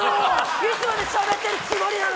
いつまでしゃべってるつもりなの！